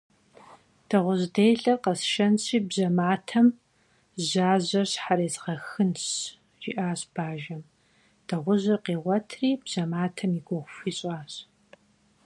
«Дыгъужь делэр къэсшэнщи, бжьэматэм жьажьэр щхьэрезгъэхынщ», жиӏащ бажэм, дыгъужьыр къигъуэтри, бжьэматэм и гугъу хуищӏащ.